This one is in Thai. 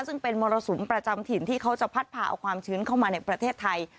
ซึ่งเป็นมรสุมประจำถิ่นที่เขาจะพัดพาเอาความชื้นเข้ามาในประเทศไทย